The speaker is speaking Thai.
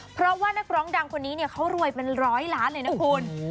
เพราะว่านักร้องดังคนนี้เนี่ยเขารวยเป็นร้อยล้านเลยนะคุณ